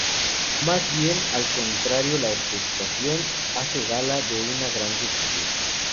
Más bien al contrario, la orquestación hace gala de una gran sencillez.